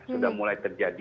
sudah mulai terjadi